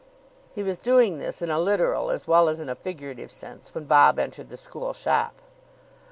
He was doing this in a literal as well as in a figurative sense when Bob entered the school shop.